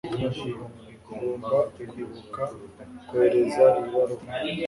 ngomba kwibuka kohereza iyi baruwa